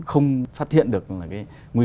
không phát hiện được không có lỗi không có lỗi